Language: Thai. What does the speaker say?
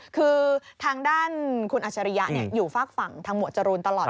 คือทางด้านคุณอัชริยะอยู่ฝากฝั่งทางหมวดจรูนตลอด